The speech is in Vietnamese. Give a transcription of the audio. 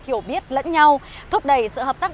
hiểu biết lẫn nhau thúc đẩy sự hợp tác